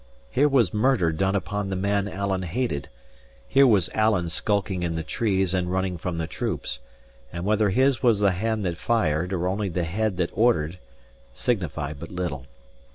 Here was murder done upon the man Alan hated; here was Alan skulking in the trees and running from the troops; and whether his was the hand that fired or only the head that ordered, signified but little.